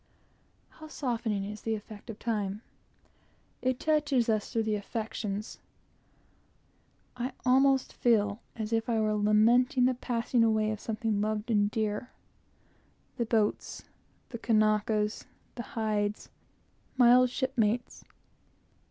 How softening is the effect of time! It touches us through the affections. I almost feel as if I were lamenting the passing away of something loved and dear, the boats, the Kanakas, the hides, my old shipmates.